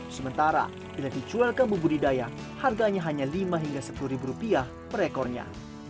sementara bila dijual ke bumbudidaya harganya hanya lima hingga sepuluh ribu rupiah per ekornya